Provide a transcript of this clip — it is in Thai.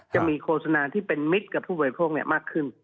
จะมีโฆษณาที่เป็นมิตรกับผู้บริโภคมากขึ้น